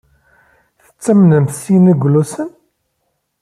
Tettamnemt s yineglusen?